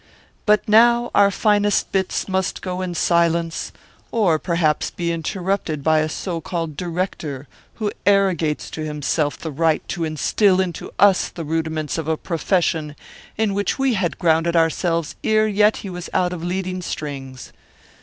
But now our finest bits must go in silence, or perhaps be interrupted by a so called director who arrogates to himself the right to instill into us the rudiments of a profession in which we had grounded ourselves ere yet he was out of leading strings.